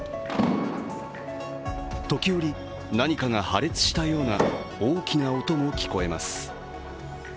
時折、何かが破裂したような大きな音も聞こえます。